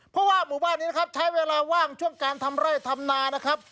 เพราะว่าหมู่บ้านนี้นะครับใช้เวลาว่างช่วงการทำไร่ทำนานะครับ